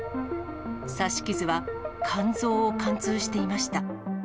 刺し傷は肝臓を貫通していました。